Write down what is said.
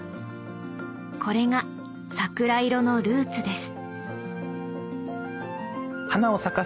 これが桜色のルーツです。